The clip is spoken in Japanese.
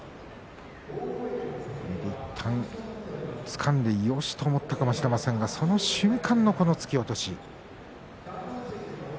いったんつかんでよしと思ったかもしれませんがその瞬間の突き落とし。